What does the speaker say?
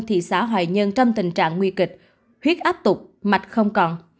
thị xã hoài nhơn trong tình trạng nguy kịch huyết áp tục mạch không còn